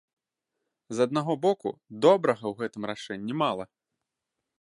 З аднаго боку, добрага ў гэтым рашэнні мала.